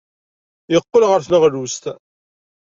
Yeqqel ɣer tneɣlust.